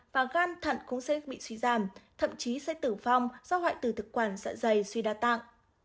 và gan thận cũng sẽ bị suy giảm thậm chí sẽ tử phong do hoại tử thực quản dạ dày suy đa tạng